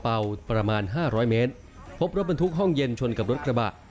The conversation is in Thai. เหตุเหตุการณ์ที่เห็นผ่านรอบวันเก่าตั้งเป็นภาพชนิดเลย๕ครูได้ออกได้